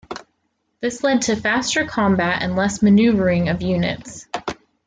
This led to faster combat and less maneuvering of units.